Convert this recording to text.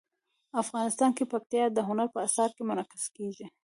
افغانستان کې پکتیکا د هنر په اثار کې منعکس کېږي.